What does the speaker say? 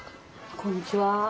こんにちは。